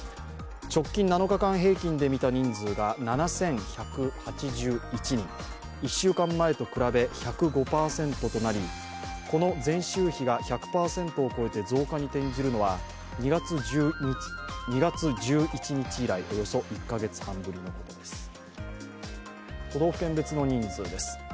直近７日間平均でみた新規感染者が７１８１人で１週間前と比べ１０５％となり、この前週比は１００％を超えて増加に転じるのは２月１１日以来およそ１カ月半ぶりのことです。